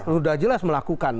sudah jelas melakukan